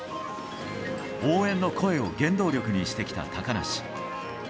応援の声を原動力にしてきた高梨。